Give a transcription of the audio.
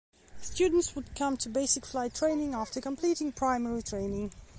Students would come to Basic Flight Training after completing Primary Training.